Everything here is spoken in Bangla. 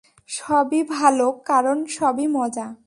সবই ভাল, কারণ সবই মজা।